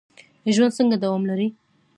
ژوند څنګه دوام لري؟